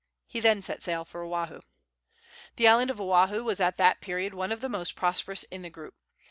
He then set sail for Oahu. The island of Oahu was at that period one of the most prosperous in the group.